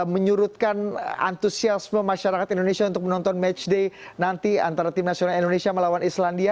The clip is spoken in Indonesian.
menyurutkan antusiasme masyarakat indonesia untuk menonton matchday nanti antara tim nasional indonesia melawan islandia